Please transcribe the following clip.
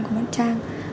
của bạn trang